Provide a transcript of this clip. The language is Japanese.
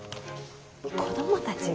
子供たちが。